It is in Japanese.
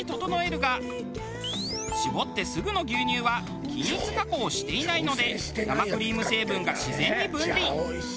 搾ってすぐの牛乳は均一加工をしていないので生クリーム成分が自然に分離。